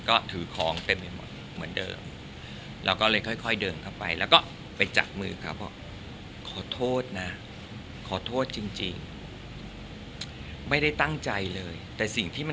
ก็ถือของเต็มเต็มหมดเหมือนเดิม